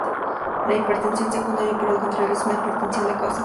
La hipertensión secundaria, por el contrario, es una hipertensión de causa conocida.